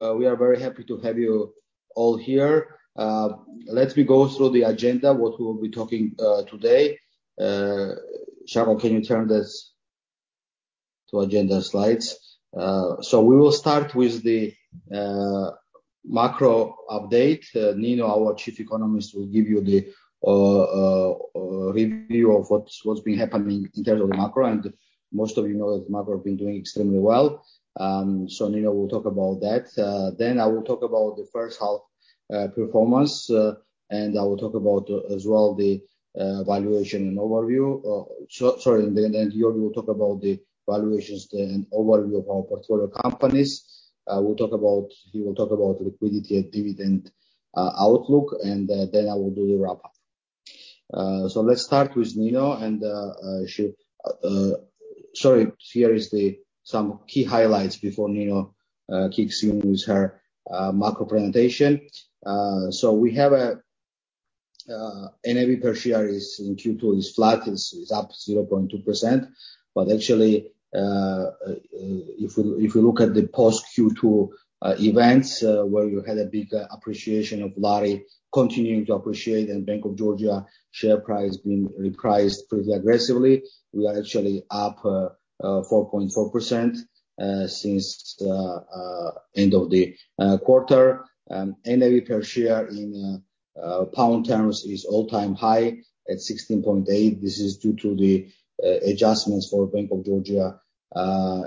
We are very happy to have you all here. Let me go through the agenda, what we will be talking today. Shako, can you turn this to agenda slides? We will start with the macro update. Nino, our chief economist, will give you the review of what's been happening in terms of macro. Most of you know that macro been doing extremely well. Nino will talk about that. I will talk about the first half performance, and I will talk about as well the valuation and overview. Sorry, you will talk about the valuations then and overview of our portfolio companies. You will talk about liquidity and dividend outlook, and I will do the wrap-up. Let's start with Nino. Sorry, here are some key highlights before Nino kicks in with her macro presentation. We have NAV per share in Q2 flat, up 0.2%. Actually, if we look at the post Q2 events, where you had a big appreciation of lari continuing to appreciate and Bank of Georgia share price being repriced pretty aggressively, we are actually up 4.4% since the end of the quarter. NAV per share in pound terms is all-time high at 16.8. This is due to the adjustments for Bank of Georgia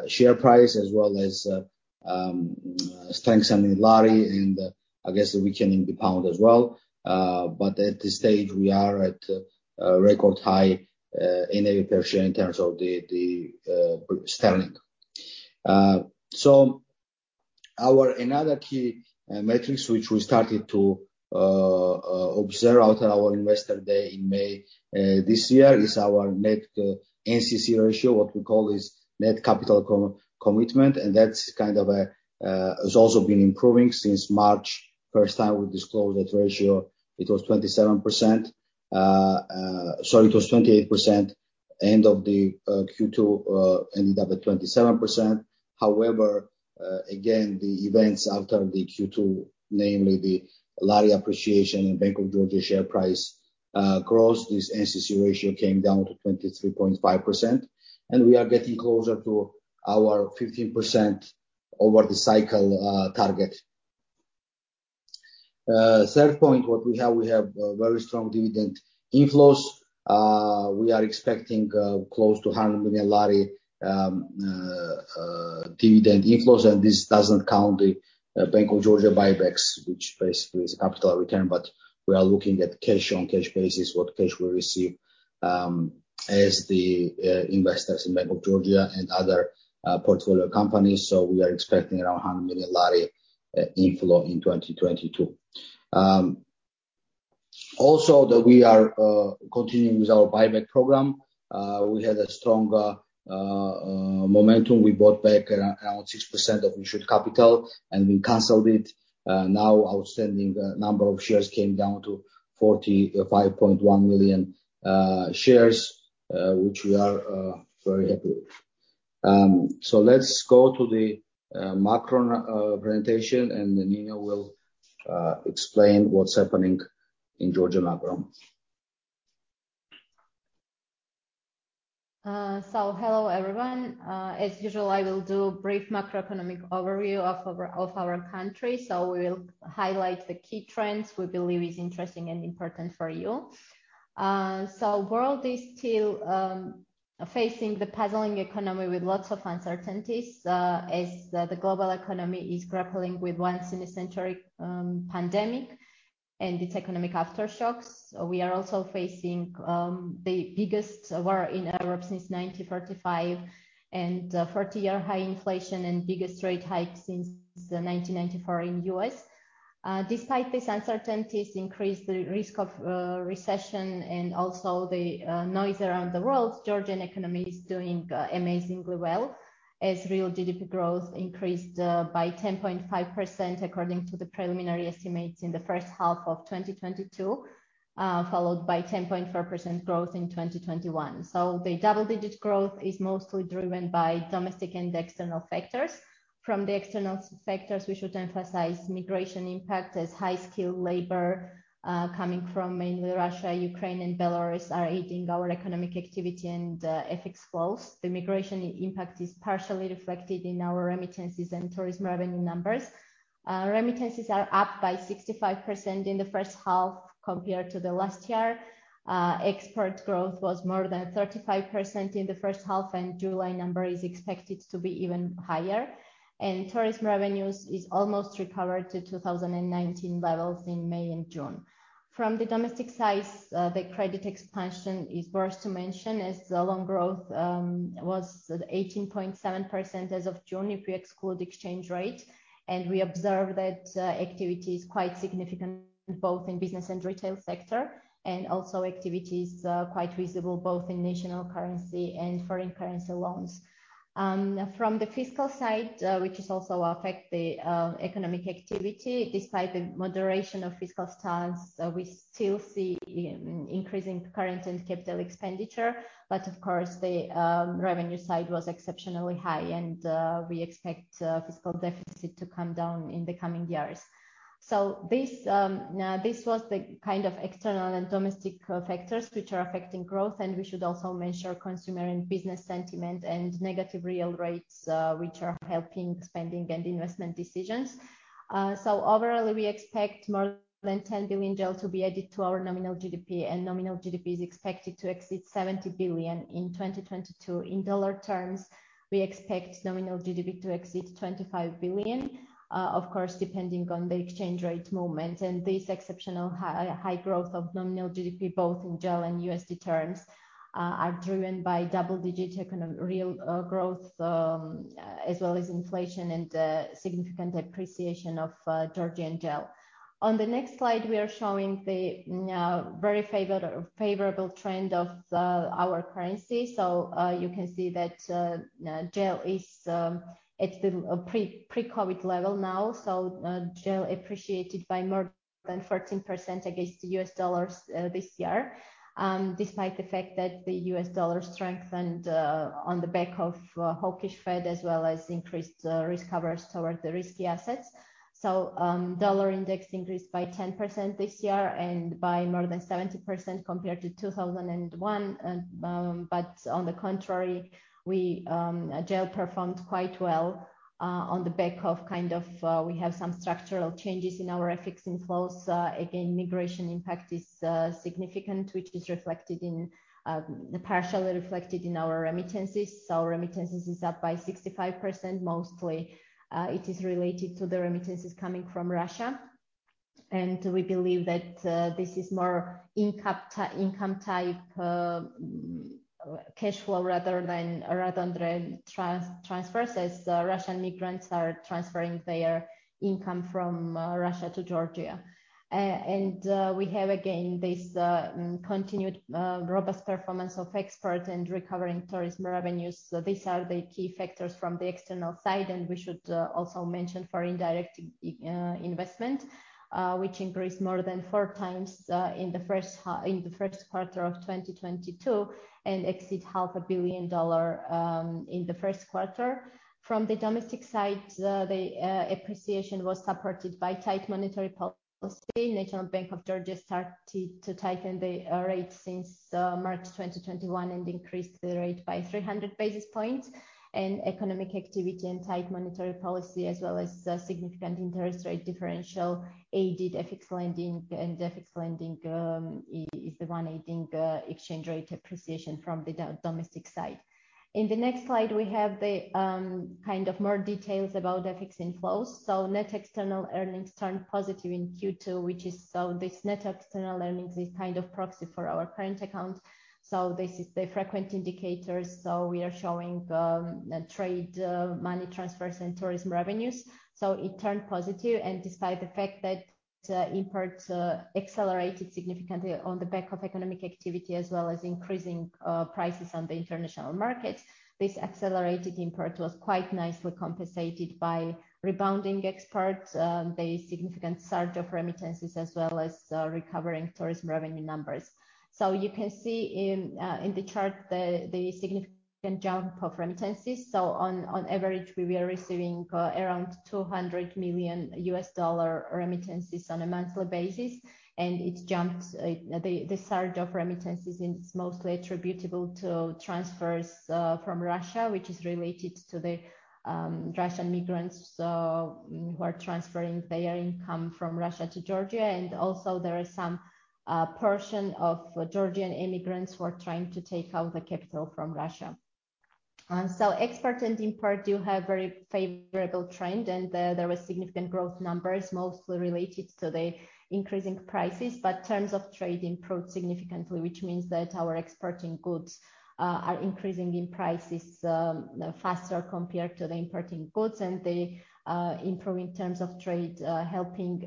share price as well as strengthening lari and I guess weakening the pound as well. At this stage, we are at a record high NAV per share in terms of the sterling. Our another key metrics which we started to observe after our investor day in May this year is our net NCC ratio. What we call is net capital commitment, and that's kind of has also been improving since March. First time we disclosed that ratio, it was 27%. Sorry, it was 28%. End of the Q2 ended up at 27%. However, again, the events after the Q2, namely the Lari appreciation and Bank of Georgia share price growth, this NCC ratio came down to 23.5%, and we are getting closer to our 15% over the cycle target. Third point, what we have, we have a very strong dividend inflows. We are expecting close to GEL 100 million dividend inflows, and this doesn't count the Bank of Georgia buybacks, which basically is capital return, but we are looking at cash on cash basis, what cash we receive as the investors in Bank of Georgia and other portfolio companies. We are expecting around GEL 100 million inflow in 2022. Also that we are continuing with our buyback program. We had a strong momentum. We bought back around 6% of issued capital and we canceled it. Now outstanding number of shares came down to 45.1 million shares, which we are very happy with. Let's go to the macro presentation, and then Nino will explain what's happening in Georgia macro. Hello, everyone. As usual, I will do a brief macroeconomic overview of our country. We will highlight the key trends we believe is interesting and important for you. World is still facing the puzzling economy with lots of uncertainties, as the global economy is grappling with once in a century pandemic and its economic aftershocks. We are also facing the biggest war in Europe since 1945 and a 40-year high inflation and biggest rate hike since 1994 in U.S. Despite these uncertainties increased the risk of recession and also the noise around the world, Georgian economy is doing amazingly well, as real GDP growth increased by 10.5% according to the preliminary estimates in the first half of 2022, followed by 10.4% growth in 2021. The double-digit growth is mostly driven by domestic and external factors. From the external factors, we should emphasize migration impact as high-skilled labor coming from mainly Russia, Ukraine, and Belarus are aiding our economic activity and FX flows. The migration impact is partially reflected in our remittances and tourism revenue numbers. Remittances are up by 65% in the first half compared to the last year. Export growth was more than 35% in the first half, and July number is expected to be even higher. Tourism revenues is almost recovered to 2019 levels in May and June. From the domestic side, the credit expansion is worth to mention as the loan growth was at 18.7% as of June if we exclude exchange rate. We observe that activity is quite significant both in business and retail sector, and also activity is quite visible both in national currency and foreign currency loans. From the fiscal side, which also affects the economic activity, despite the moderation of fiscal stance, we still see increasing current and capital expenditure, but of course the revenue side was exceptionally high and we expect fiscal deficit to come down in the coming years. This was the kind of external and domestic factors which are affecting growth, and we should also mention consumer and business sentiment and negative real rates, which are helping spending and investment decisions. Overall, we expect more than GEL 10 billion to be added to our nominal GDP, and nominal GDP is expected to exceed $70 billion in 2022 in dollar terms. We expect nominal GDP to exceed $25 billion, of course, depending on the exchange rate movement. This exceptional high growth of nominal GDP, both in GEL and USD terms, are driven by double-digit real growth, as well as inflation and significant appreciation of Georgian GEL. On the next slide, we are showing the very favorable trend of our currency. You can see that GEL is at the pre-COVID level now. GEL appreciated by more than 13% against the US dollar this year, despite the fact that the US dollar strengthened on the back of a hawkish Fed, as well as increased uncertain We believe that this is more income type cash flow rather than transfers, as Russian migrants are transferring their income from Russia to Georgia. We have again this continued robust performance of exports and recovering tourism revenues. These are the key factors from the external side, and we should also mention foreign direct investment which increased more than 4 times in the first quarter of 2022 and exceeded half a billion dollars in the first quarter. From the domestic side, the appreciation was supported by tight monetary policy. National Bank of Georgia started to tighten the rates since March 2021 and increased the rate by 300 basis points. Economic activity and tight monetary policy, as well as a significant interest rate differential, aided FX lending. FX lending is the one aiding exchange rate appreciation from the domestic side. In the next slide, we have the kind of more details about FX inflows. Net external earnings turned positive in Q2, which is this net external earnings is kind of proxy for our current account. This is the frequent indicators. We are showing trade, money transfers, and tourism revenues. It turned positive. Despite the fact that imports accelerated significantly on the back of economic activity as well as increasing prices on the international market, this accelerated import was quite nicely compensated by rebounding exports, the significant surge of remittances as well as recovering tourism revenue numbers. You can see in the chart the significant jump of remittances. On average, we were receiving around $200 million remittances on a monthly basis, and it jumped. The surge of remittances is mostly attributable to transfers from Russia, which is related to the Russian migrants who are transferring their income from Russia to Georgia. There are some portion of Georgian immigrants who are trying to take out the capital from Russia. Export and import do have very favorable trend, and there was significant growth numbers, mostly related to the increasing prices. Terms of trade improved significantly, which means that our exporting goods are increasing in prices faster compared to the importing goods. The improvement in terms of trade helping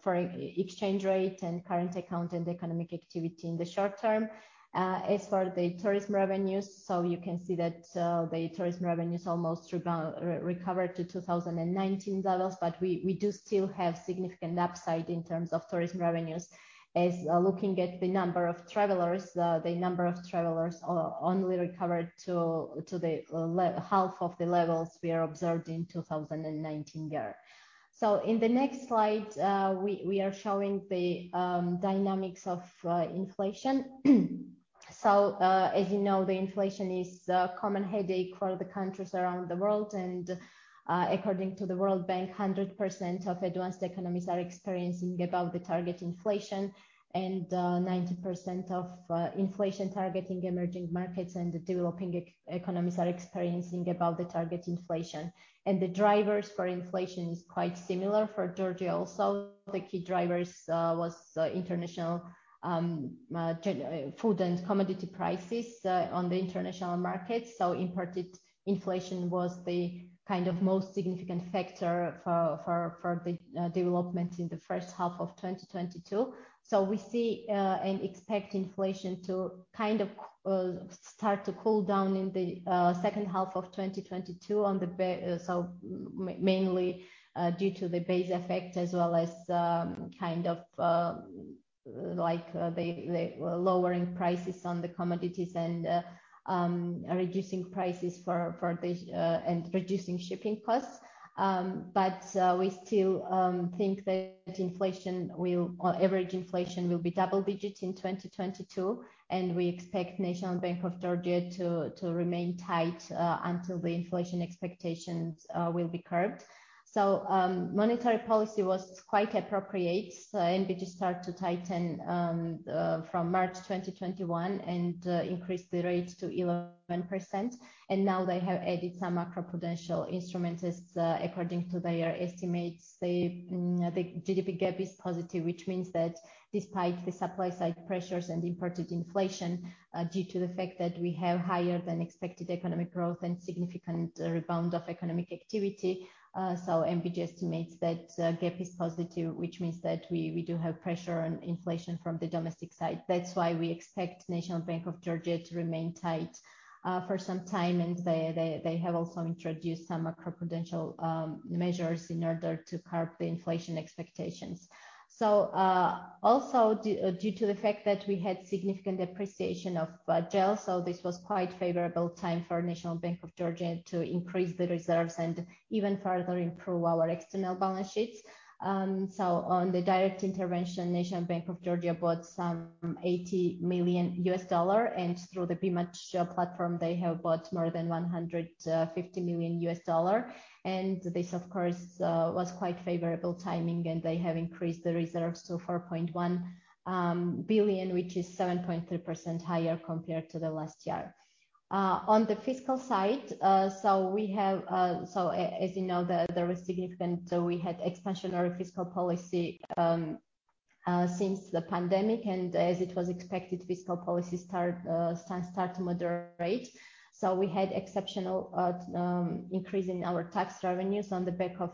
for exchange rate and current account and economic activity in the short term. As for the tourism revenues, you can see that the tourism revenues almost recovered to 2019 levels, but we do still have significant upside in terms of tourism revenues. Looking at the number of travelers, the number of travelers only recovered to half of the levels we observed in 2019. In the next slide, we are showing the dynamics of inflation. As you know, the inflation is a common headache for the countries around the world. According to the World Bank, 100% of advanced economies are experiencing above the target inflation. 90% of inflation targeting emerging markets and developing economies are experiencing above the target inflation. The drivers for inflation is quite similar for Georgia also. The key drivers was international food and commodity prices on the international markets. Imported inflation was the kind of most significant factor for the development in the first half of 2022. We see and expect inflation to kind of start to cool down in the second half of 2022 mainly due to the base effect as well as kind of like the lowering prices on the commodities and reducing prices and reducing shipping costs, but we still think that average inflation will be double digits in 2022, and we expect National Bank of Georgia to remain tight until the inflation expectations will be curbed. Monetary policy was quite appropriate. NBG started to tighten from March 2021 and increased the rates to 11%. Now they have added some macroprudential instruments as, according to their estimates. The GDP gap is positive which means that despite the supply side pressures and imported inflation, due to the fact that we have higher than expected economic growth and significant rebound of economic activity. NBG estimates that gap is positive which means that we do have pressure on inflation from the domestic side. That's why we expect National Bank of Georgia to remain tight for some time. They have also introduced some macroprudential measures in order to curb the inflation expectations. Also due to the fact that we had significant depreciation of GEL, this was quite favorable time for National Bank of Georgia to increase the reserves and even further improve our external balance sheets. On the direct intervention, National Bank of Georgia bought some $80 million, and through the FX platform they have bought more than $150 million. This of course was quite favorable timing, and they have increased the reserves to $4.1 billion which is 7.3% higher compared to the last year. On the fiscal side, as you know, the, there was significant, so we had expansionary fiscal policy since the pandemic, and as it was expected, fiscal policy start to moderate. We had exceptional increase in our tax revenues on the back of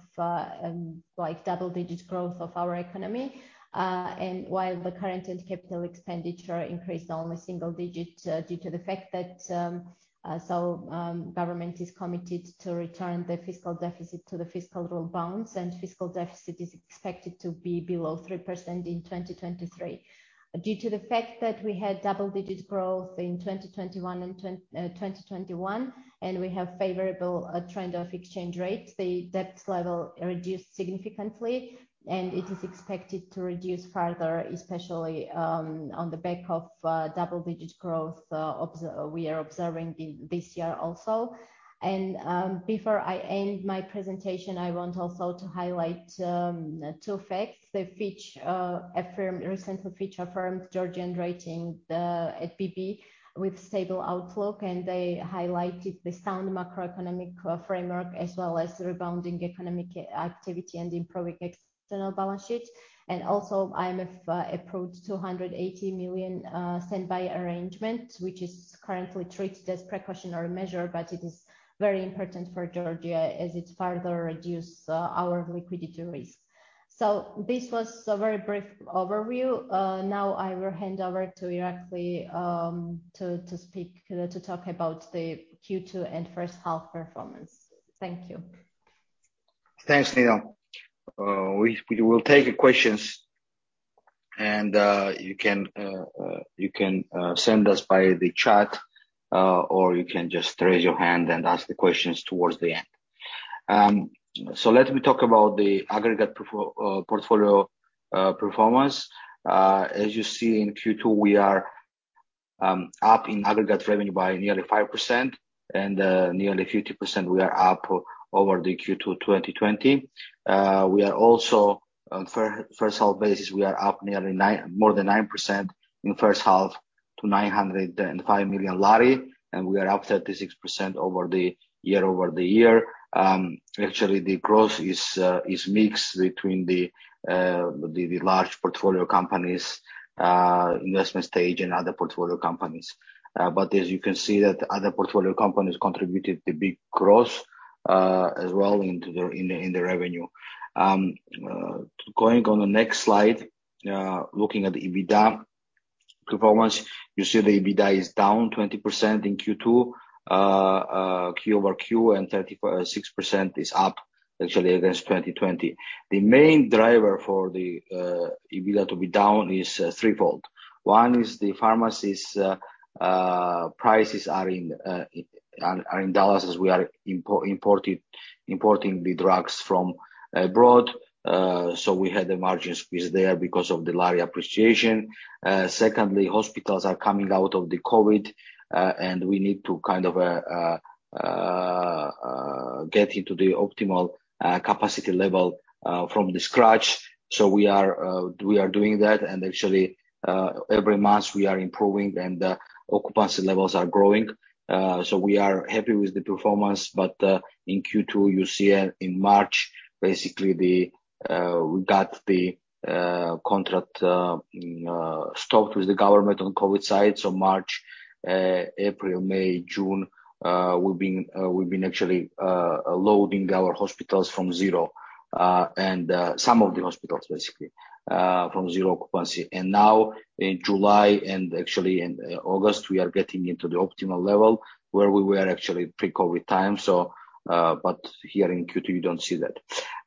like double-digit growth of our economy. While the current and capital expenditure increased only single-digit, due to the fact that government is committed to return the fiscal deficit to the fiscal rule bounds, and fiscal deficit is expected to be below 3% in 2023. Due to the fact that we had double-digit growth in 2021, and we have favorable trend of exchange rates, the debt level reduced significantly. It is expected to reduce further, especially on the back of double-digit growth we are observing this year also. Before I end my presentation, I want also to highlight two facts. Fitch affirmed Georgian rating, the BB with stable outlook, and they highlighted the sound macroeconomic framework as well as rebounding economic activity and improving external balance sheet. IMF approved $280 million standby arrangement, which is currently treated as precautionary measure, but it is very important for Georgia as it further reduce our liquidity risk. This was a very brief overview. Now I will hand over to Irakli to talk about the Q2 and first half performance. Thank you. Thanks, Nino. We will take questions and you can send us by the chat or you can just raise your hand and ask the questions towards the end. Let me talk about the aggregate portfolio performance. As you see in Q2, we are up in aggregate revenue by nearly 5% and nearly 50% we are up over the Q2 2020. We are also, on first half basis, we are up nearly 9, more than 9% in first half to GEL 905 million, and we are up 36% over the year. Actually the growth is mixed between the large portfolio companies, investment stage and other portfolio companies. As you can see that other portfolio companies contributed the big growth, as well into their, in the revenue. Going on the next slide, looking at the EBITDA performance, you see the EBITDA is down 20% in Q2, quarter-over-quarter, and 36% is up actually against 2020. The main driver for the EBITDA to be down is threefold. One is the pharmacies, prices are in dollars as we are importing the drugs from abroad. So we had the margin squeeze there because of the lari appreciation. Secondly, hospitals are coming out of the COVID, and we need to kind of get into the optimal capacity level from scratch. We are doing that, and actually, every month we are improving and the occupancy levels are growing. We are happy with the performance. In Q2, in March, basically we got the contract stopped with the government on COVID side. March, April, May, June, we've been actually loading our hospitals from zero, and some of the hospitals basically from zero occupancy. Now in July and actually in August, we are getting into the optimal level where we were actually pre-COVID times. Here in Q2 you don't see that.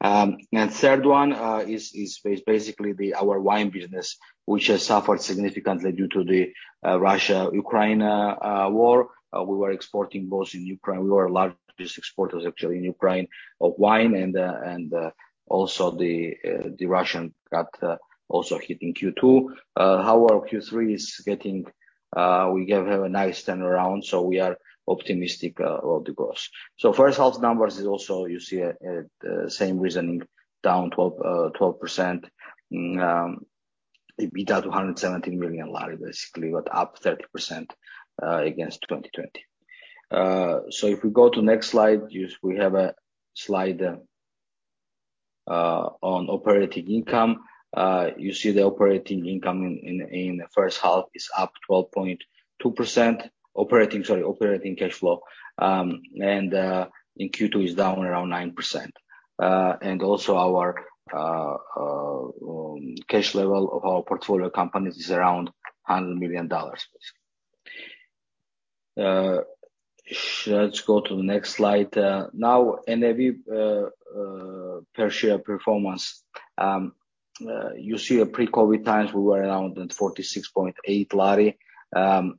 The third one is basically our wine business, which has suffered significantly due to the Russia-Ukraine war. We were exporting both in Ukraine. We were largest exporters actually in Ukraine of wine and also Russia got hit in Q2. However, Q3 is getting, we have a nice turnaround, so we are optimistic about the growth. First half numbers is also you see the same reasoning down 12%, EBITDA GEL 270 million, basically. Up 30% against 2020. If we go to next slide, we have a slide on operating income. You see the operating income in the first half is up 12.2%. Operating, sorry, operating cash flow in Q2 is down around 9%. Also our cash level of our portfolio companies is around $100 million. Let's go to the next slide. Now NAV per share performance. You see pre-COVID times we were around at GEL 46.8.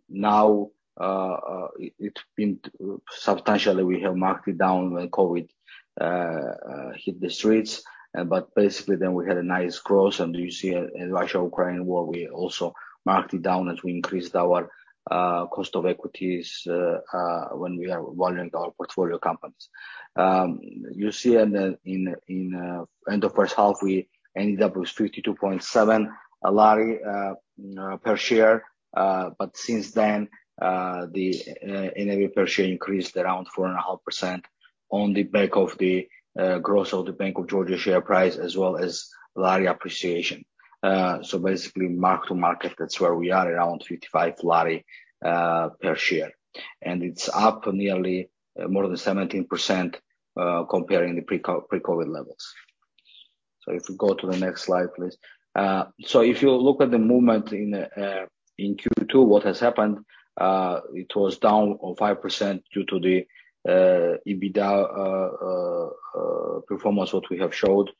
Now, it's been substantially we have marked it down when COVID hit the streets. Basically then we had a nice growth. You see in Russia-Ukraine war, we also marked it down as we increased our cost of equity when we are valuing our portfolio companies. You see in the end of first half, we ended up with GEL 52.7 per share. Since then, the NAV per share increased around 4.5% on the back of the growth of the Bank of Georgia share price as well as lari appreciation. Basically mark to market, that's where we are around GEL 55 per share, and it's up nearly more than 17%, comparing the pre-COVID levels. If you go to the next slide, please. If you look at the movement in Q2, what has happened, it was down 5% due to the EBITDA performance what we have showed.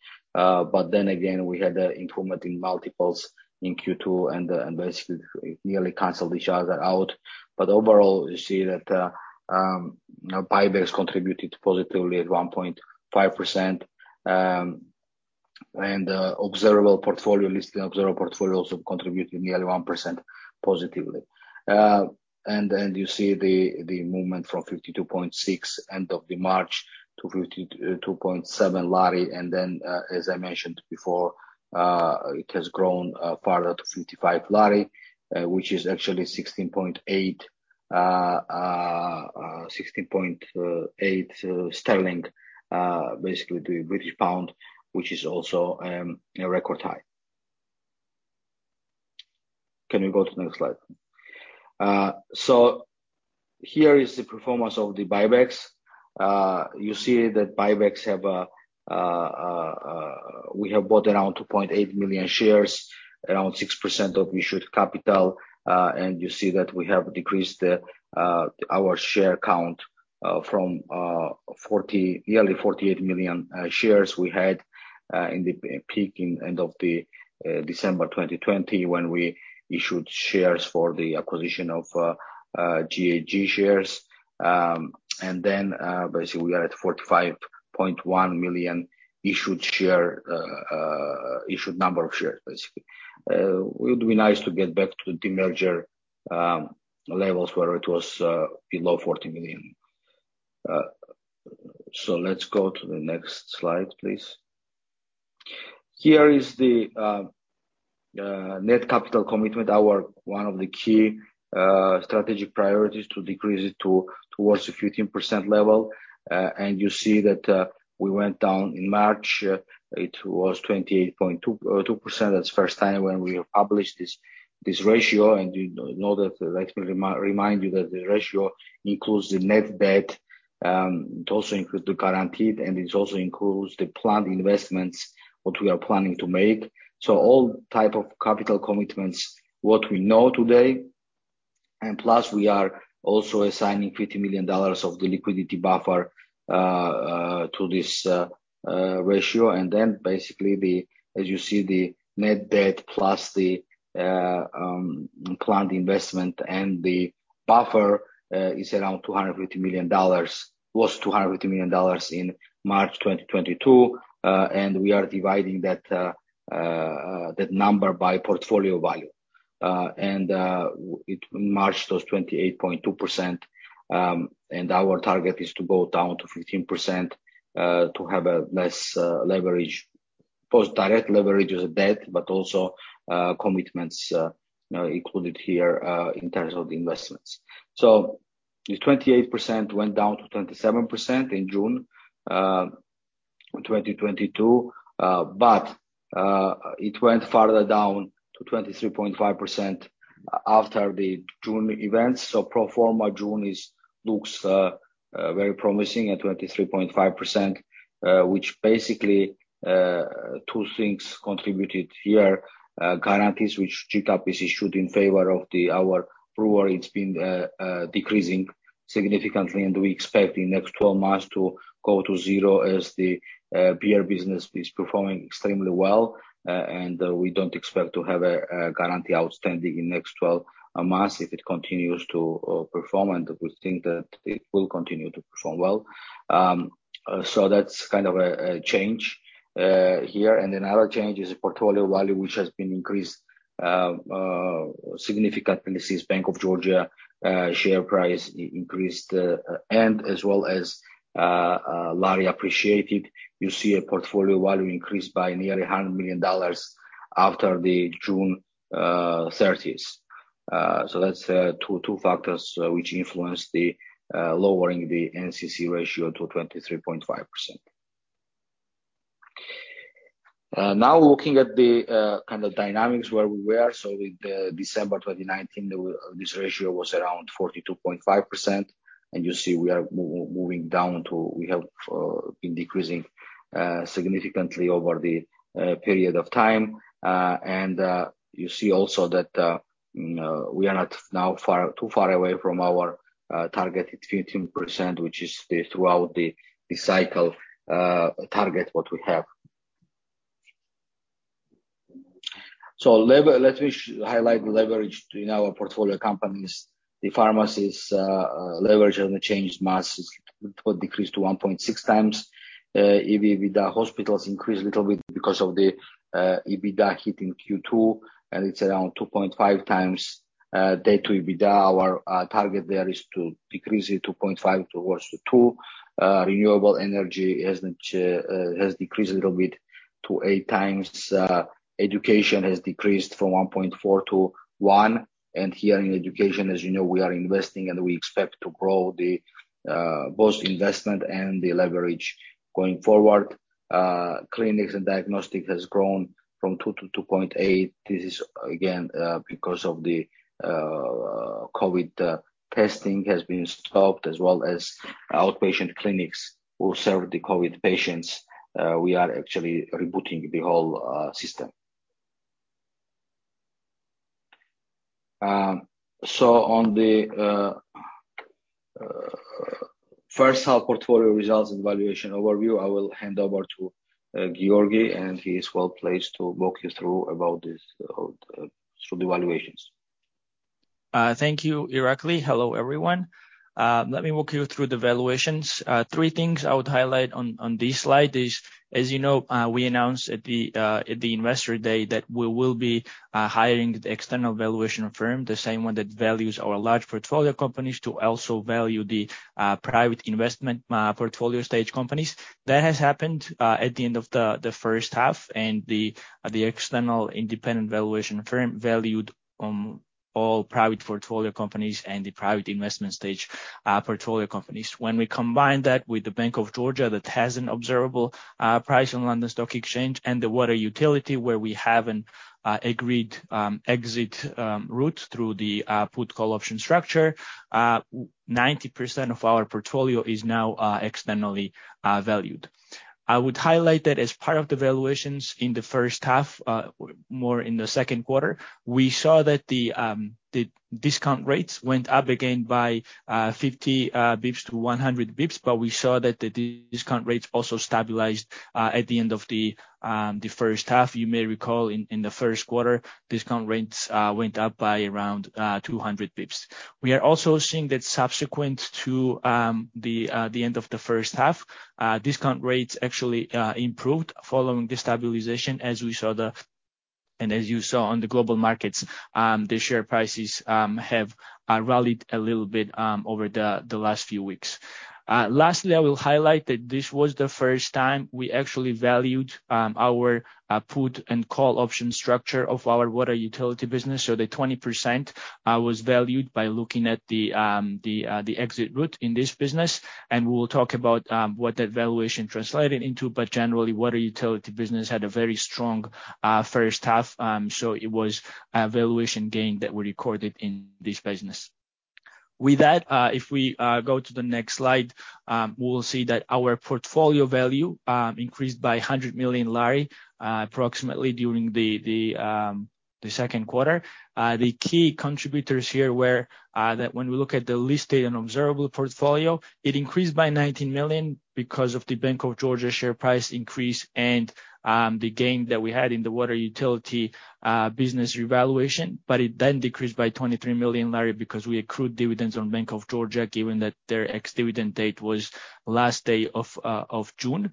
Then again, we had a improvement in multiples in Q2 and basically it nearly canceled each other out. Overall, you see that, you know, buybacks contributed positively at 1.5%. And observable portfolio, listed observable portfolio also contributed nearly 1% positively. You see the movement from 52.6 end of March to 52.7 GEL. As I mentioned before, it has grown further to GEL 55, which is actually 16.8, 16.8 sterling, basically the British pound, which is also a record high. Can we go to the next slide? So here is the performance of the buybacks. You see that we have bought around 2.8 million shares, around 6% of issued capital. You see that we have decreased our share count from nearly 48 million shares we had in the peak end of December 2020 when we issued shares for the acquisition of GHG shares. Basically we are at 45.1 million issued number of shares, basically. It will be nice to get back to demerger levels where it was below 40 million. Let's go to the next slide, please. Here is the net capital commitment, one of our key strategic priorities to decrease it to towards the 15% level. You see that we went down in March. It was 28.2%. That's the first time when we have published this ratio. You know that, let me remind you that the ratio includes the net debt. It also includes the guarantees, and it also includes the planned investments, what we are planning to make. All types of capital commitments, what we know today, and plus we are also assigning $50 million of the liquidity buffer to this ratio. Then basically, as you see, the net debt plus the planned investment and the buffer is around $250 million, was $250 million in March 2022. We are dividing that number by portfolio value. In March it was 28.2%, and our target is to go down to 15% to have less leverage. Both direct leverage as a debt, but also commitments, you know, included here in terms of the investments. The 28% went down to 27% in June 2022. It went further down to 23.5% after the June events. Pro forma June looks very promising at 23.5%, which basically two things contributed here. Guarantees which GCAP has issued in favor of our brewer, it's been decreasing significantly, and we expect in the next 12 months to go to zero as the beer business is performing extremely well. We don't expect to have a guarantee outstanding in the next 12 months if it continues to perform, and we think that it will continue to perform well. That's kind of a change here. Another change is the portfolio value, which has been increased significantly since Bank of Georgia share price increased, and as well as lari appreciated. You see a portfolio value increased by nearly $100 million after the June 30. That's two factors which influence the lowering the NCC ratio to 23.5%. Now looking at the kind of dynamics where we were. With the December 2019, this ratio was around 42.5%, and you see we are moving down to we have been decreasing significantly over the period of time. You see also that we are not too far away from our target at 15%, which is the throughout the cycle target what we have. Let me highlight the leverage in our portfolio companies. The pharmacies' leverage didn't change much. It decreased to 1.6x. Hospitals leverage increased a little bit because of the EBITDA hit in Q2, and it's around 2.5x debt to EBITDA. Our target there is to decrease it to 0.5-2. Renewable energy has decreased a little bit to 8x. Education has decreased from 1.4x to 1x, and here in education, as you know, we are investing and we expect to grow both investment and the leverage going forward. Clinics and diagnostics has grown from 2x to 2.8x. This is again because of the COVID, testing has been stopped as well as outpatient clinics who serve the COVID patients. We are actually rebooting the whole system. On the first half portfolio results and valuation overview, I will hand over to Giorgi, and he is well-placed to walk you through about this through the valuations. Thank you, Irakli. Hello, everyone. Let me walk you through the valuations. Three things I would highlight on this slide is, as you know, we announced at the investor day that we will be hiring the external valuation firm, the same one that values our large portfolio companies to also value the private investment portfolio stage companies. That has happened at the end of the first half and the external independent valuation firm valued all private portfolio companies and the private investment stage portfolio companies. When we combine that with the Bank of Georgia that has an observable price on London Stock Exchange and the water utility where we have an agreed exit route through the put call option structure, 90% of our portfolio is now externally valued. I would highlight that as part of the valuations in the first half, more in the second quarter, we saw that the discount rates went up again by 50 basis points to 100 basis points, but we saw that the discount rates also stabilized at the end of the first half. You may recall in the first quarter, discount rates went up by around 200 basis points. We are also seeing that subsequent to the end of the first half, discount rates actually improved following the stabilization as you saw on the global markets, the share prices have rallied a little bit over the last few weeks. Lastly, I will highlight that this was the first time we actually valued our put and call option structure of our water utility business. The 20% was valued by looking at the exit route in this business, and we will talk about what that valuation translated into. Generally, water utility business had a very strong first half. It was a valuation gain that we recorded in this business. With that, if we go to the next slide, we'll see that our portfolio value increased by GEL 100 million, approximately during the second quarter. The key contributors here were that when we look at the listed and observable portfolio, it increased by GEL 19 million because of the Bank of Georgia share price increase and the gain that we had in the water utility business revaluation. It then decreased by GEL 23 million because we accrued dividends on Bank of Georgia, given that their ex-dividend date was last day of June.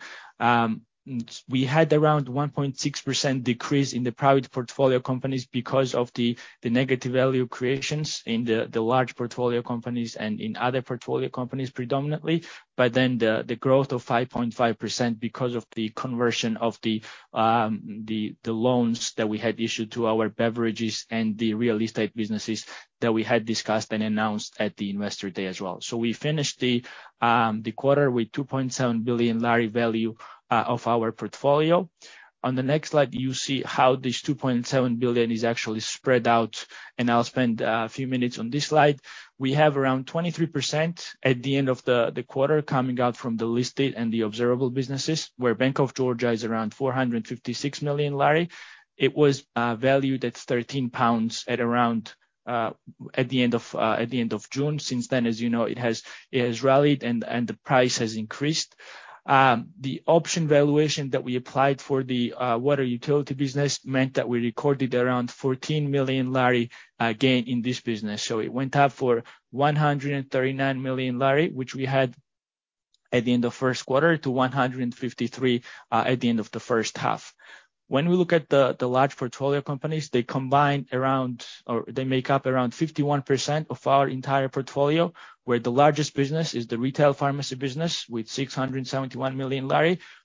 We had around 1.6% decrease in the private portfolio companies because of the negative value creations in the large portfolio companies and in other portfolio companies predominantly. The growth of 5.5% because of the conversion of the loans that we had issued to our beverages and the real estate businesses that we had discussed and announced at the investor day as well. We finished the quarter with GEL 2.7 billion value of our portfolio. On the next slide, you see how this GEL 2.7 billion is actually spread out, and I'll spend a few minutes on this slide. We have around 23% at the end of the quarter coming out from the listed and the observable businesses, where Bank of Georgia is around GEL 456 million. It was valued at 13 pounds at around the end of June. Since then, as you know, it has rallied and the price has increased. The option valuation that we applied for the water utility business meant that we recorded around GEL 14 million gain in this business. It went up from GEL 139 million, which we had at the end of first quarter, to GEL 153 million at the end of the first half. When we look at the large portfolio companies, they make up around 51% of our entire portfolio, where the largest business is the retail pharmacy business with GEL 671 million,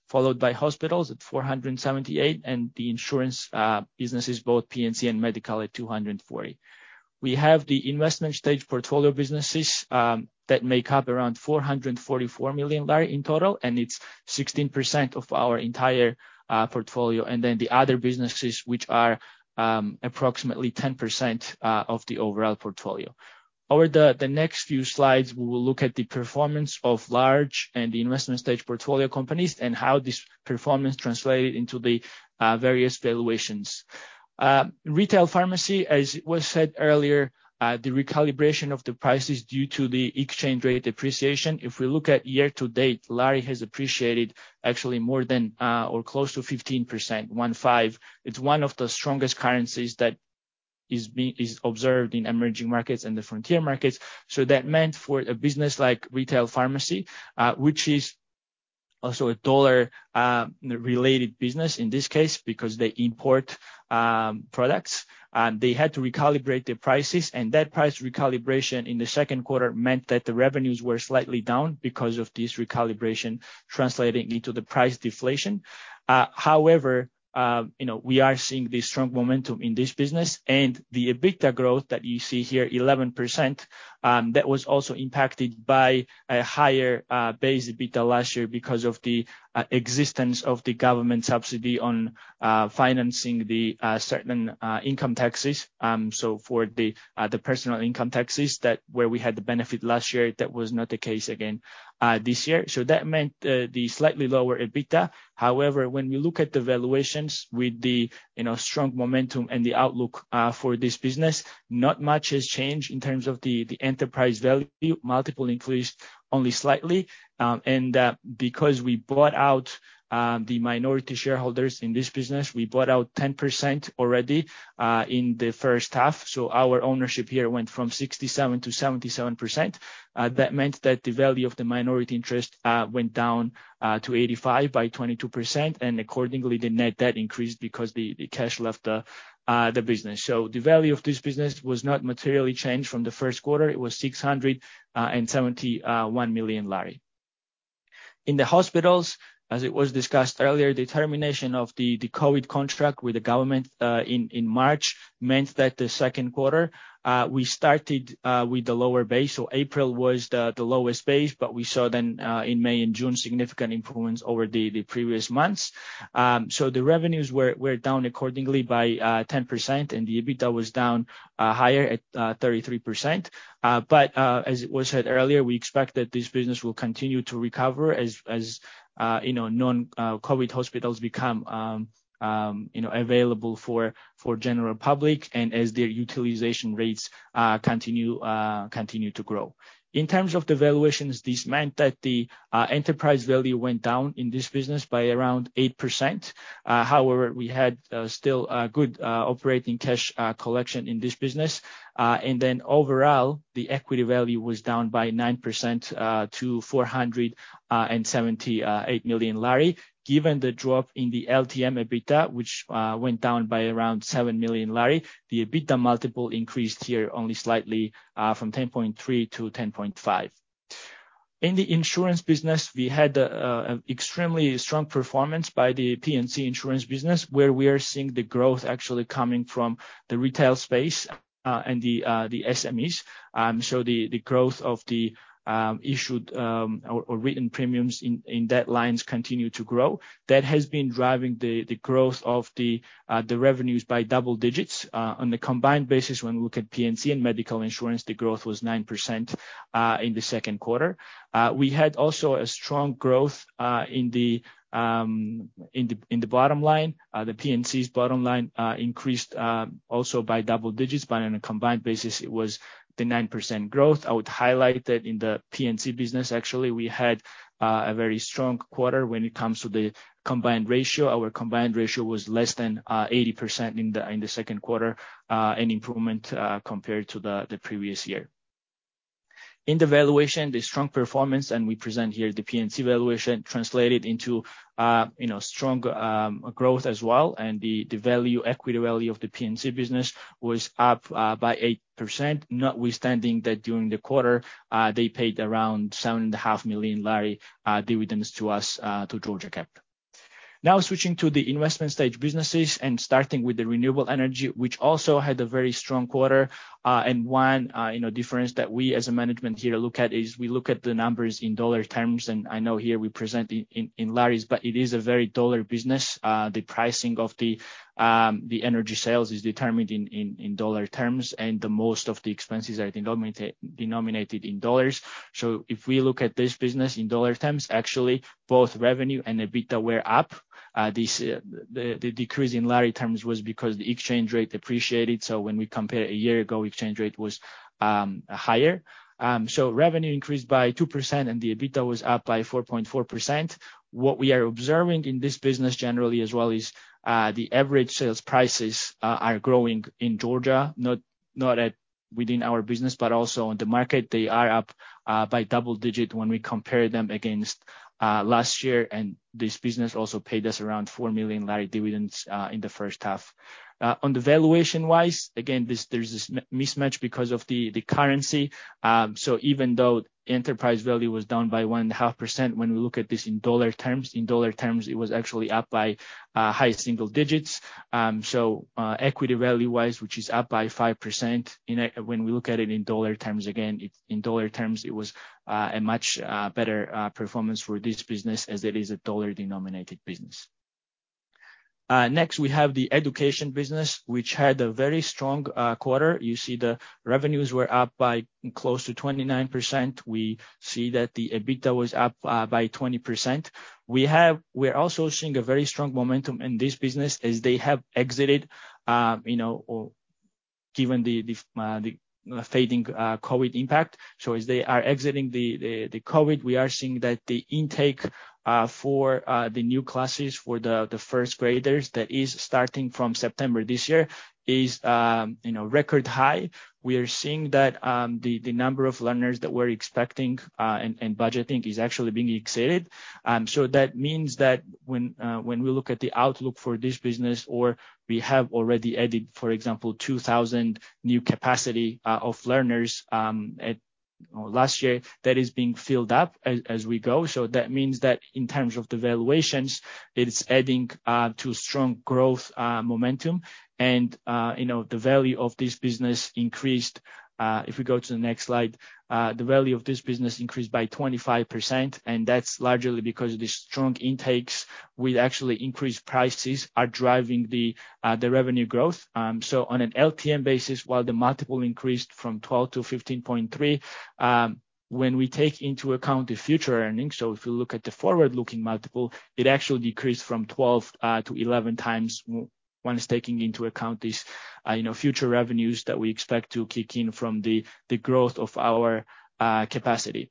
followed by hospitals at GEL 478 million, and the insurance businesses, both P&C and Medical, at GEL 240 million. We have the investment stage portfolio businesses that make up around 444 million GEL in total, and it's 16% of our entire portfolio. The other businesses, which are approximately 10% of the overall portfolio. Over the next few slides, we will look at the performance of large and the investment stage portfolio companies and how this performance translated into the various valuations. Retail pharmacy, as it was said earlier, the recalibration of the prices due to the exchange rate depreciation. If we look at year to date, GEL has appreciated actually more than or close to 15%. It's one of the strongest currencies that is observed in emerging markets and the frontier markets. That meant for a business like retail pharmacy, which is also a dollar-related business in this case, because they import products, and they had to recalibrate their prices. That price recalibration in the second quarter meant that the revenues were slightly down because of this recalibration translating into the price deflation. However, you know, we are seeing the strong momentum in this business and the EBITDA growth that you see here, 11%, that was also impacted by a higher base EBITDA last year because of the existence of the government subsidy on financing the certain income taxes. For the personal income taxes where we had the benefit last year, that was not the case again this year. That meant the slightly lower EBITDA. However, when we look at the valuations with the, you know, strong momentum and the outlook for this business, not much has changed in terms of the enterprise value. Multiple increased only slightly. Because we bought out the minority shareholders in this business, we bought out 10% already in the first half. Our ownership here went from 67%-77%. That meant that the value of the minority interest went down to 85 by 22%. Accordingly, the net debt increased because the cash left the business. The value of this business was not materially changed from the first quarter. It was GEL 671 million. In the hospitals, as it was discussed earlier, the termination of the COVID contract with the government in March meant that the second quarter we started with the lower base. April was the lowest base, but we saw then in May and June significant improvements over the previous months. The revenues were down accordingly by 10%, and the EBITDA was down higher at 33%. As it was said earlier, we expect that this business will continue to recover as you know non-COVID hospitals become available for general public and as their utilization rates continue to grow. In terms of the valuations, this meant that the enterprise value went down in this business by around 8%. However, we had still good operating cash collection in this business. Overall, the equity value was down by 9% to GEL 478 million. Given the drop in the LTM EBITDA, which went down by around GEL 7 million, the EBITDA multiple increased here only slightly from 10.3 to 10.5. In the insurance business, we had extremely strong performance by the P&C insurance business, where we are seeing the growth actually coming from the retail space and the SMEs. The growth of the issued or written premiums in those lines continue to grow. That has been driving the growth of the revenues by double digits. On the combined basis, when we look at P&C and medical insurance, the growth was 9% in the second quarter. We had also a strong growth in the bottom line. The P&C's bottom line increased also by double digits, but on a combined basis it was the 9% growth. I would highlight that in the P&C business, actually, we had a very strong quarter when it comes to the combined ratio. Our combined ratio was less than 80% in the second quarter, an improvement compared to the previous year. In the valuation, the strong performance, and we present here the P&C valuation, translated into, you know, strong growth as well. The value, equity value of the P&C business was up by 8%, notwithstanding that during the quarter they paid around 7.5 million GEL dividends to us, to Georgia Capital. Now switching to the investment stage businesses and starting with the renewable energy, which also had a very strong quarter. One, you know, difference that we as a management here look at is we look at the numbers in dollar terms, and I know here we present in laris, but it is a very dollar business. The pricing of the energy sales is determined in dollar terms, and most of the expenses are denominated in dollars. So if we look at this business in dollar terms, actually both revenue and the EBITDA were up. The decrease in lari terms was because the exchange rate appreciated, so when we compare a year ago, exchange rate was higher. Revenue increased by 2%, and the EBITDA was up by 4.4%. What we are observing in this business generally as well is the average sales prices are growing in Georgia, not only within our business, but also on the market. They are up by double digit when we compare them against last year, and this business also paid us around GEL 4 million dividends in the first half. On the valuation-wise, again, there's this mismatch because of the currency. Even though enterprise value was down by 1.5%, when we look at this in dollar terms, it was actually up by high single digits. Equity value-wise, which is up by 5% when we look at it in dollar terms, it was a much better performance for this business as it is a dollar-denominated business. Next we have the education business, which had a very strong quarter. You see the revenues were up by close to 29%. We see that the EBITDA was up by 20%. We're also seeing a very strong momentum in this business as they have exited or given the fading COVID impact. As they are exiting the COVID, we are seeing that the intake for the new classes for the first graders that is starting from September this year is, you know, record high. We are seeing that the number of learners that we're expecting and budgeting is actually being exceeded. That means that when we look at the outlook for this business, we have already added, for example, 2,000 new capacity of learners, you know, last year, that is being filled up as we go. That means that in terms of the valuations, it's adding to strong growth momentum. You know, the value of this business increased. If we go to the next slide, the value of this business increased by 25%, and that's largely because the strong intakes with actually increased prices are driving the revenue growth. On an LTM basis, while the multiple increased from 12 to 15.3, when we take into account the future earnings, if you look at the forward-looking multiple, it actually decreased from 12 to 11x when it's taking into account these, you know, future revenues that we expect to kick in from the growth of our capacity.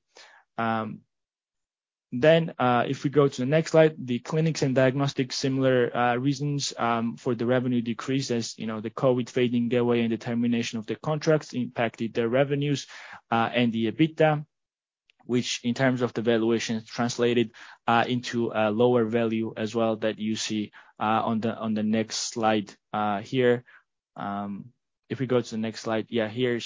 If we go to the next slide, the clinics and diagnostics, similar reasons for the revenue decrease. As you know, the COVID fading away and the termination of the contracts impacted their revenues and the EBITDA, which in terms of the valuation translated into a lower value as well that you see on the next slide here. If we go to the next slide, here.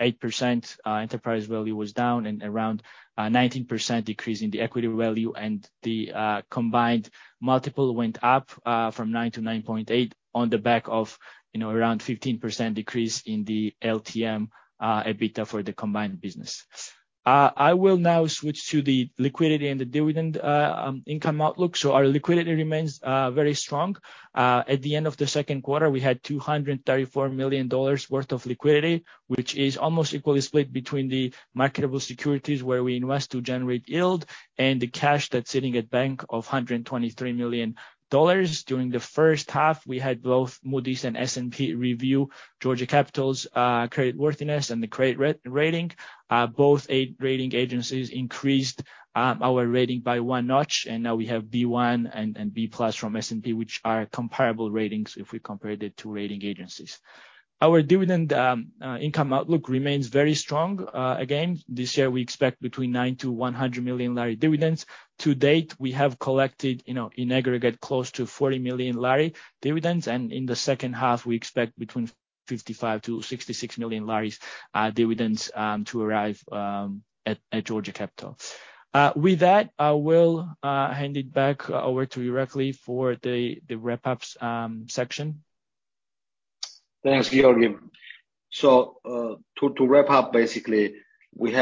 Eight percent enterprise value was down and around nineteen percent decrease in the equity value. The combined multiple went up from 9 to 9.8 on the back of, you know, around 15% decrease in the LTM EBITDA for the combined business. I will now switch to the liquidity and the dividend income outlook. Our liquidity remains very strong. At the end of the second quarter, we had $234 million worth of liquidity, which is almost equally split between the marketable securities where we invest to generate yield and the cash that's sitting at bank of $123 million. During the first half, we had both Moody's and S&P review Georgia Capital's creditworthiness and the credit rating. Both the rating agencies increased our rating by one notch, and now we have B1 and B+ from S&P, which are comparable ratings if we compared the two rating agencies. Our dividend income outlook remains very strong. Again, this year, we expect between 90-100 million GEL dividends. Uncertain, we have collected, you know, in aggregate, close to GEL 40 million dividends, and in the second half, we expect between GEL 55 million-GEL 66 million dividends to arrive at Georgia Capital. With that, I will hand it back over to Irakli for the wrap up section16.8 GBP We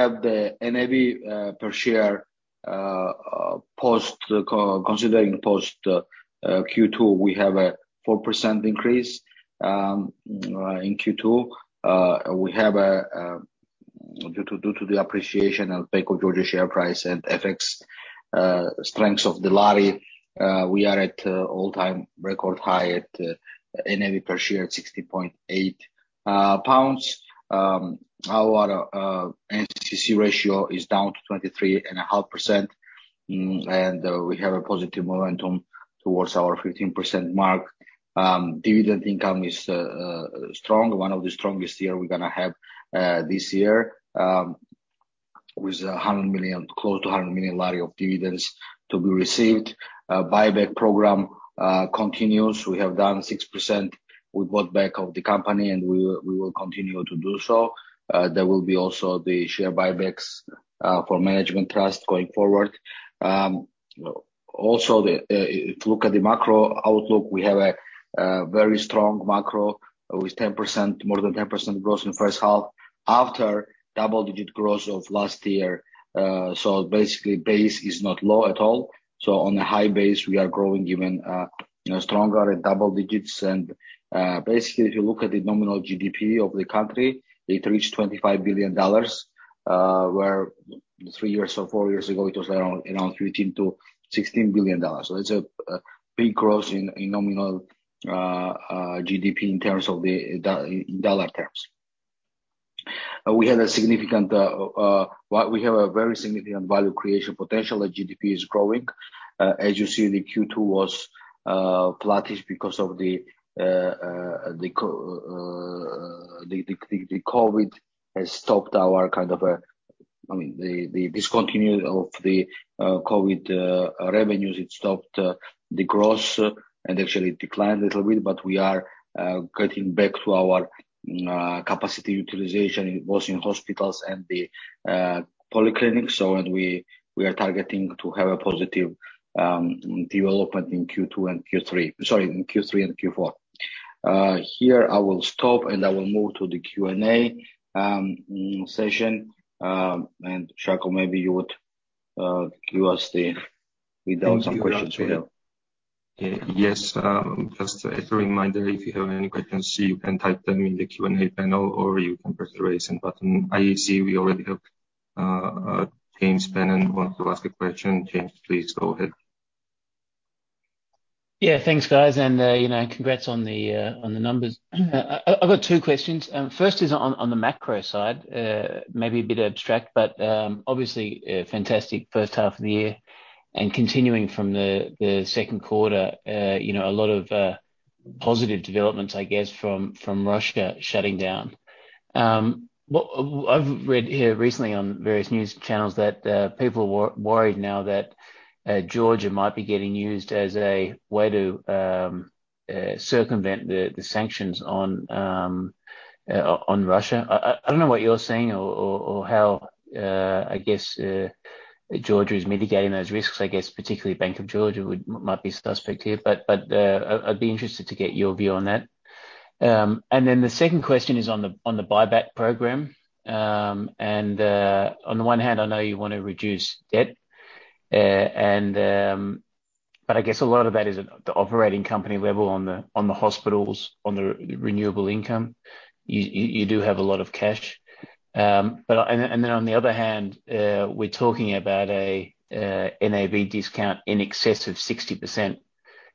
bought back of the company and we will continue to do so. There will be also the share buybacks for management trust going forward. If you look at the macro outlook, we have a very strong macro with 10%, more than 10% growth in the first half after double-digit growth of last year. Basically base is not low at all. On a high base, we are growing even you know stronger in double digits. Basically, if you look at the nominal GDP of the country, it reached $25 billion where three years or four years ago it was around fifteen to sixteen billion dollars. It's a big growth in nominal GDP in terms of the dollar terms. We have a very significant value creation potential as GDP is growing. As you see the Q2 was flattish because of the COVID has stopped our kind of, I mean, the discontinuation of the COVID revenues. It stopped the growth and actually declined a little bit. We are getting back to our capacity utilization. It was in hospitals and the polyclinics. We are targeting to have a positive development in Q2 and Q3. Sorry, in Q3 and Q4. Here I will stop and I will move to the Q&A session. Shako, maybe you would give us theThank you, uncertain Read out some questions we have. Just as a reminder, if you have any questions, you can type them in the Q&A panel, or you can press the Raise Hand button. I see we already have James Penn want to ask a question. James, please go ahead. Yeah. Thanks, guys. You know, congrats on the numbers. I've got two questions. First is on the macro side. Maybe a bit abstract, but obviously a fantastic first half of the year and continuing from the second quarter. You know, a lot of positive developments, I guess, from Russia shutting down. I've read here recently on various news channels that people are worried now that Georgia might be getting used as a way to circumvent the sanctions on Russia. I don't know what you're seeing or how, I guess, Georgia is mitigating those risks. I guess particularly Bank of Georgia might be suspect here. I'd be interested to get your view on that. The second question is on the buyback program. On the one hand, I know you wanna reduce debt. I guess a lot of that is at the operating company level on the hospitals, on the renewable income. You do have a lot of cash. On the other hand, we're talking about a NAV discount in excess of 60%,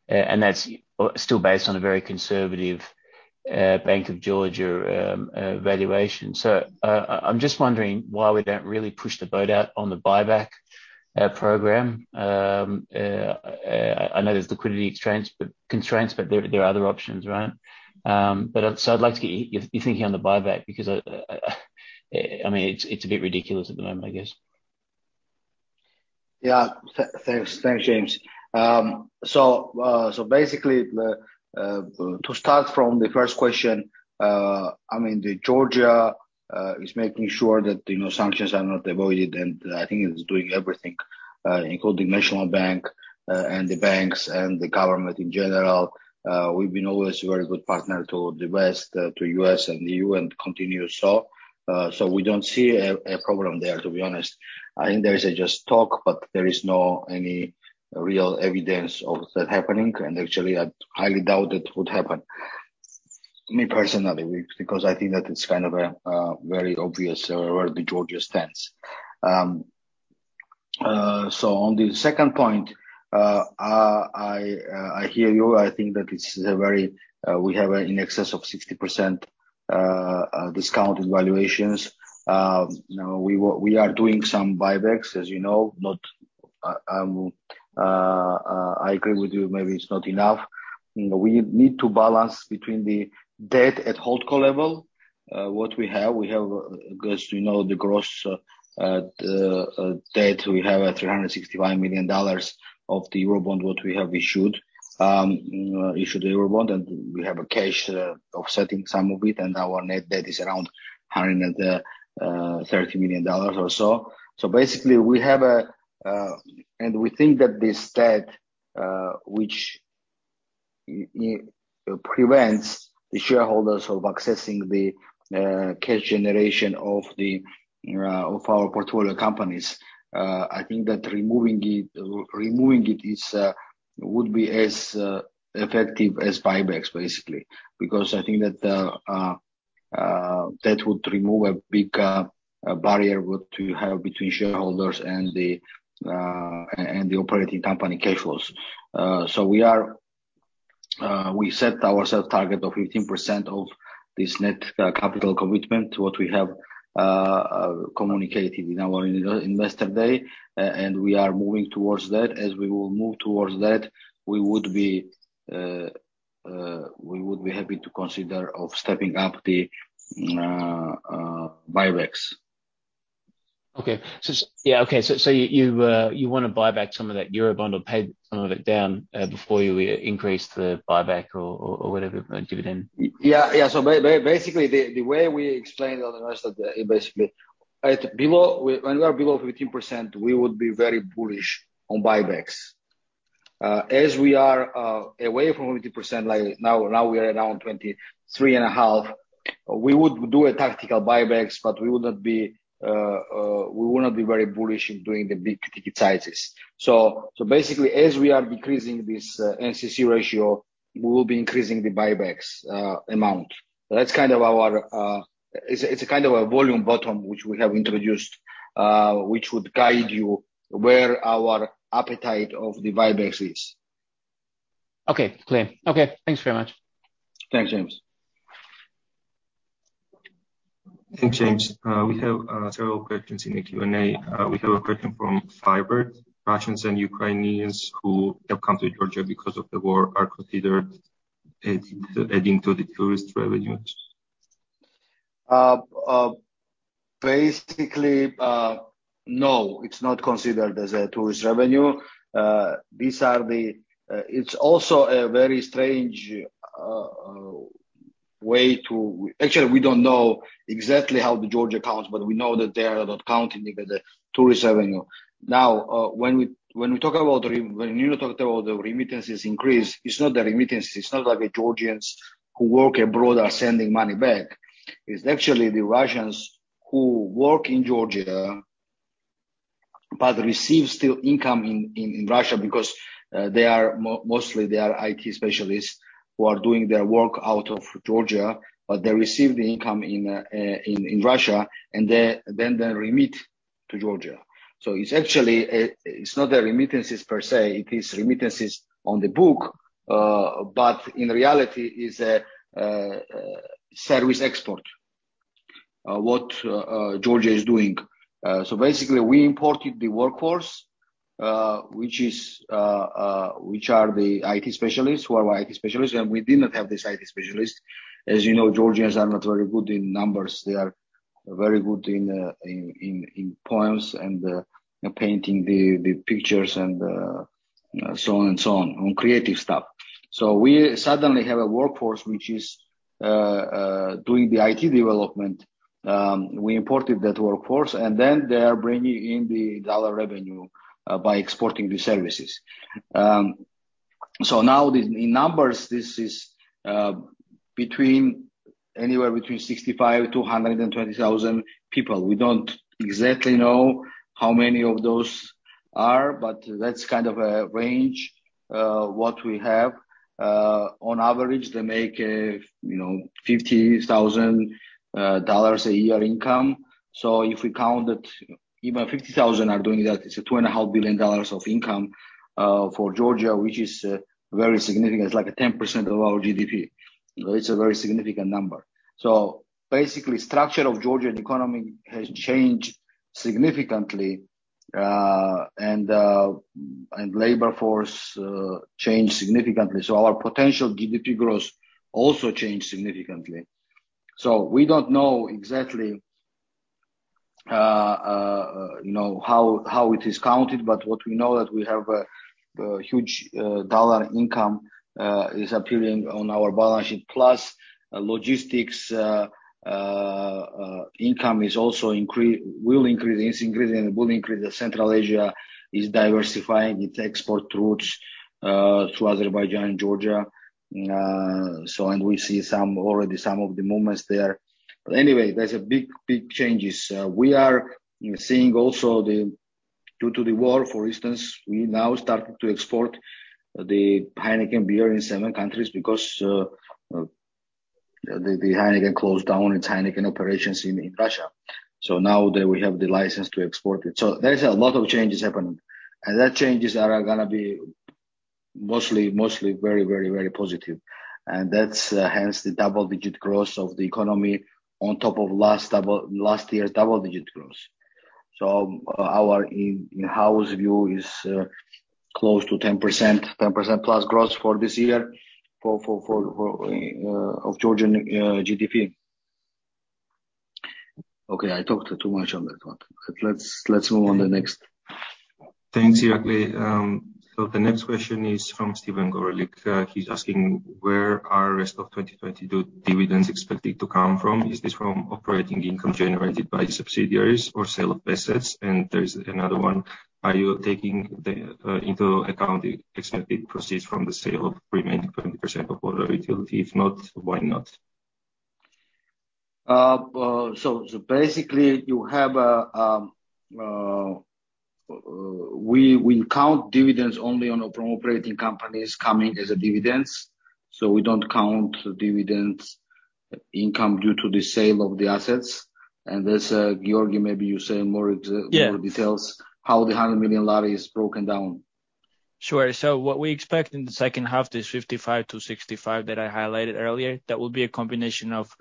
and that's still based on a very conservative Bank of Georgia valuation. I'm just wondering why we don't really push the boat out on the buyback program. I know there's liquidity constraints, but there are other options, right? I'd like to get your thinking on the buyback because I mean, it's a bit ridiculous at the moment, I guess. Thanks, James. Basically, to start from the first question, I mean, Georgia is making sure that, you know, sanctions are not avoided, and I think it's doing everything, including National Bank and the banks and the government in general. We've been always a very good partner to the West, to U.S. and the EU, and continue so. We don't see a problem there, to be honest. I think there is just talk, but there is no any real evidence of that happening. Actually, I highly doubt it would happen, me personally, because I think that it's kind of a very obvious where Georgia stands. On the second point, I hear you. I think that we have in excess of 60% discount in valuations. You know, we are doing some buybacks, as you know. I agree with you, maybe it's not enough. We need to balance between the debt at holdco level, what we have. We have, as you know, the gross debt. We have $361 million of the Eurobond what we have issued. Issued the Eurobond, and we have cash offsetting some of it. Our net debt is around $130 million or so. Basically, we think that this debt, which prevents the shareholders from accessing the cash generation of our portfolio companies, I think that removing it is as effective as buybacks, basically. Because I think that that would remove a big barrier that we have between shareholders and the operating company cash flows. We set ourselves a target of 15% of this net capital commitment to what we have communicated in our investor day, and we are moving towards that. As we move towards that, we would be happy to consider stepping up the buybacks. Okay. Yeah, okay. You wanna buy back some of that Eurobond or pay some of it down before you increase the buyback or whatever dividend? Yeah, yeah. Basically, the way we explain to the investors that it basically. When we are below 15%, we would be very bullish on buybacks. As we are away from 50%, like now, we are around 23.5%, we would do tactical buybacks, but we would not be very bullish in doing the big ticket sizes. Basically, as we are decreasing this NCC ratio, we will be increasing the buybacks amount. That's kind of our. It's a kind of volume bottom which we have introduced, which would guide you where our appetite for the buybacks is. Okay, clear. Okay, thanks very much. Thanks, James. Thanks, James. We have several questions in the Q&A. We have a question from Firebird. Russians and Ukrainians who have come to Georgia because of the war are considered adding to the tourist revenues. Basically, no, it's not considered as a tourist revenue. It's also a very strange way to. Actually, we don't know exactly how the Georgia counts, but we know that they are not counting it as a tourist revenue. Now, when we talk about when Nino talked about the remittances increase, it's not the remittances. It's not like Georgians who work abroad are sending money back. It's actually the Russians who work in Georgia but receive still income in Russia because they are mostly IT specialists who are doing their work out of Georgia, but they receive the income in Russia, and then they remit to Georgia. It's actually, it's not the remittances per se. It is remittances on the book, but in reality is a service export, what Georgia is doing. Basically, we imported the workforce, which are the IT specialists, and we did not have these IT specialists. As you know, Georgians are not very good in numbers. They are very good in poems and painting the pictures and so on and so on creative stuff. We suddenly have a workforce which is doing the IT development. We imported that workforce, and then they are bringing in the dollar revenue by exporting the services. Now, in numbers, this is anywhere between 65,000-120,000 people. We don't exactly know how many of those are, but that's kind of a range, what we have. On average, they make, you know, $50,000 a year income. If we count that even 50,000 are doing that, it's a $2.5 billion of income for Georgia, which is very significant. It's like a 10% of our GDP. It's a very significant number. Basically, structure of Georgian economy has changed significantly, and labor force changed significantly. Our potential GDP growth also changed significantly. We don't know exactly, you know, how it is counted, but what we know that we have a huge dollar income is appearing on our balance sheet. Plus logistics income is also will increase. It's increasing. It will increase as Central Asia is diversifying its export routes through Azerbaijan and Georgia. We see some of the movements there. Anyway, there's a big changes. We are seeing also due to the war, for instance, we now started to export the Heineken beer in seven countries because the Heineken closed down its Heineken operations in Russia. Now they will have the license to export it. There's a lot of changes happening. That changes are gonna be mostly very positive. That's hence the double-digit growth of the economy on top of last year's double-digit growth. Our in-house view is close to 10%, 10% plus growth for this year of Georgian GDP. Okay, I talked too much on that one. Let's move on to the next. Thanks, Irakli. So the next question is from Steve Gorelik. He's asking, where are rest of 2022 dividends expected to come from? Is this from operating income generated by subsidiaries or sale of assets? And there is another one. Are you taking into account the expected proceeds from the sale of remaining 20% of water utility? If not, why not? We count dividends only from operating companies coming as dividends. We don't count dividend income due to the sale of the assets. There's Giorgi, maybe you say more ex- Yes. More details how the GEL 100 million is broken down. Sure. What we expect in the second half, this 55-65 that I highlighted earlier, that will be a combination of,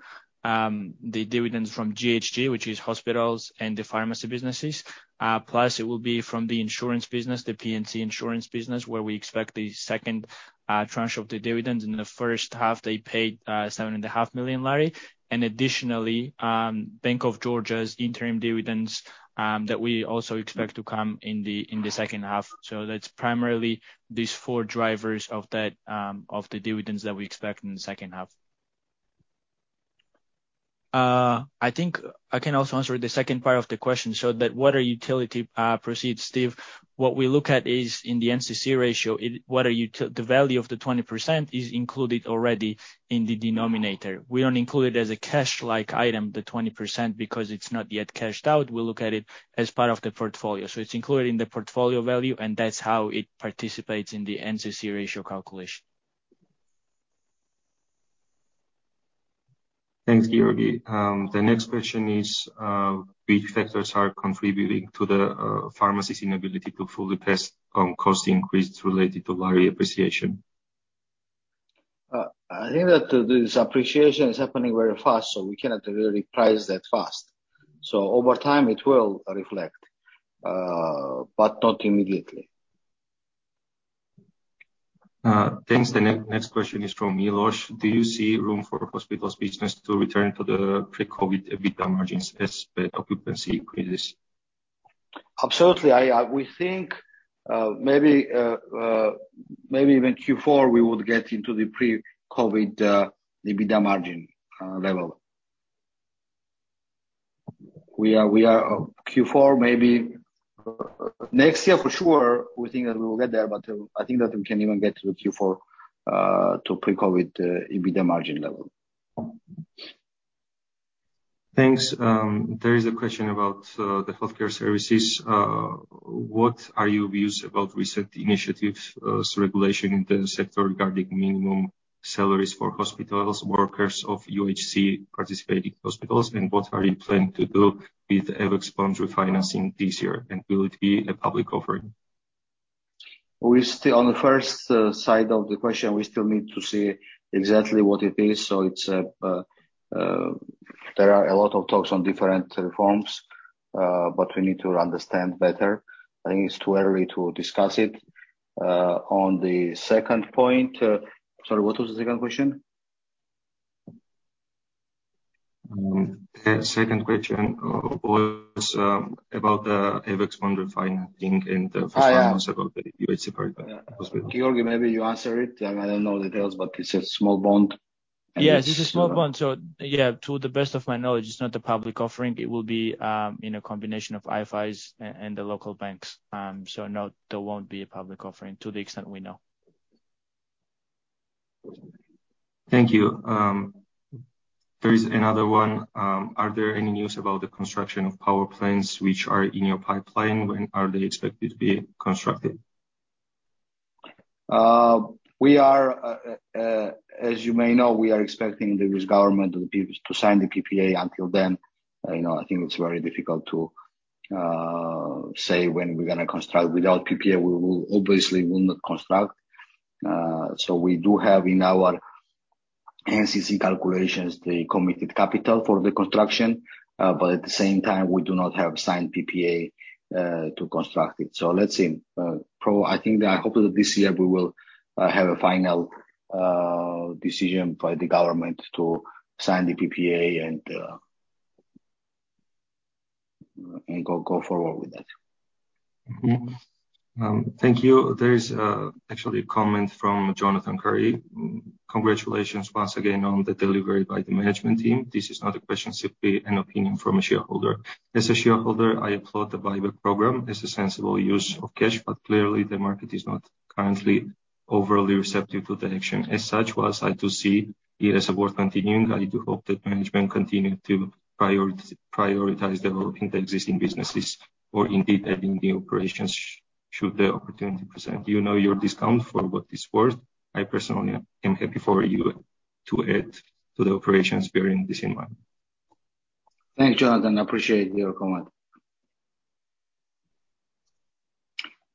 the dividends from GHG, which is hospitals and the pharmacy businesses. Plus it will be from the insurance business, the P&C insurance business, where we expect the second tranche of the dividends. In the first half, they paid GEL 7.5 million. Additionally, Bank of Georgia's interim dividends, that we also expect to come in the second half. That's primarily these four drivers of that, of the dividends that we expect in the second half. I think I can also answer the second part of the question. That water utility proceeds, Steve, what we look at is in the NCC ratio, the value of the 20% is included already in the denominator. We don't include it as a cash-like item, the 20%, because it's not yet cashed out. We look at it as part of the portfolio. It's included in the portfolio value, and that's how it participates in the NCC ratio calculation. Thanks, Giorgi. The next question is, which sectors are contributing to the pharmacy's inability to fully pass cost increase related to Lari appreciation? I think that this appreciation is happening very fast, so we cannot really price that fast. Over time, it will reflect, but not immediately. Thanks. The next question is from Milos Do you see room for hospitals business to return to the pre-COVID EBITDA margins as the occupancy increases? Absolutely. We think, maybe even Q4, we would get into the pre-COVID EBITDA margin level. We are Q4 maybe. Next year for sure, we think that we will get there, but I think that we can even get to Q4 to pre-COVID EBITDA margin level. Thanks. There is a question about the healthcare services. What are your views about recent initiatives, regulation in the sector regarding minimum salaries for hospitals, workers of UHC participating hospitals, and what are you planning to do with Evex bond refinancing this year? Will it be a public offering? We still on the first side of the question, we still need to see exactly what it is. It's there are a lot of talks on different forms, but we need to understand better. I think it's too early to discuss it. On the second point. Sorry, what was the second question? The second question was about the Evex bond refinancing and the Yeah. First one was about the UHC partner hospital. Giorgi, maybe you answer it. I don't know the details, but it's a small bond. Yeah, it's a small bond. Yeah, to the best of my knowledge, it's not a public offering. It will be in a combination of IFIs and the local banks. No, there won't be a public offering to the extent we know. Thank you. There is another one. Are there any news about the construction of power plants which are in your pipeline? When are they expected to be constructed? We are, as you may know, expecting the government to sign the PPA. Until then, you know, I think it's very difficult to say when we're gonna construct. Without PPA, we will obviously not construct. We do have in our NCC calculations the committed capital for the construction, but at the same time, we do not have signed PPA to construct it. Let's see. I think that hopefully this year we will have a final decision by the government to sign the PPA and go forward with that. Thank you. There is actually a comment from Jonathan Cary. Congratulations once again on the delivery by the management team. This is not a question, simply an opinion from a shareholder. As a shareholder, I applaud the buyback program. It's a sensible use of cash, but clearly the market is not currently overly receptive to the action. As such, while I do see it as worth continuing, I do hope that management continue to prioritize developing the existing businesses or indeed adding new operations should the opportunity present. You know your discount for what it's worth. I personally am happy for you to add to the operations bearing this in mind. Thanks, Jonathan. Appreciate your comment.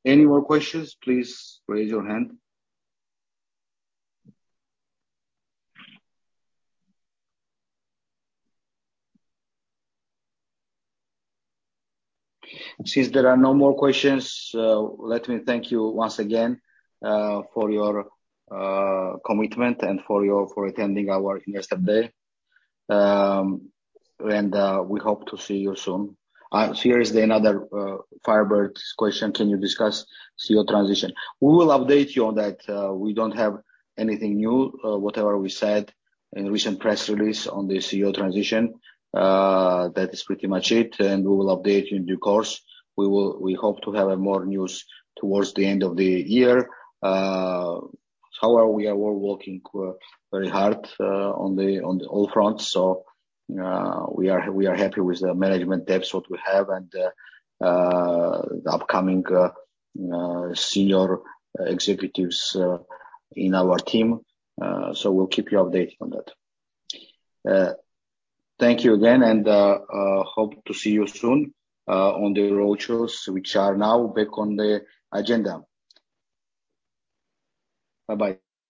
Any more questions, please raise your hand. Since there are no more questions, let me thank you once again for your commitment and for attending our Investor Day. We hope to see you soon. Here is another Firebird question: Can you discuss CEO transition? We will update you on that. We don't have anything new. Whatever we said in recent press release on the CEO transition, that is pretty much it, and we will update you in due course. We hope to have more news towards the end of the year. However, we are working very hard on all fronts. We are happy with the management depth that we have and the upcoming senior executives in our team. We'll keep you updated on that. Thank you again and hope to see you soon on the roadshows which are now back on the agenda. Bye-bye.